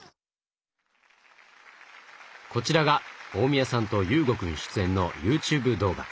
こちらが大宮さんと雄悟くん出演のＹｏｕＴｕｂｅ動画。